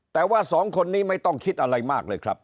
แต่ว่าสองคนนี้ไม่ต้องคิดอะไรมากเลยครับ